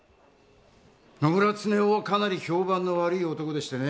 野村恒雄はかなり評判の悪い男でしてね。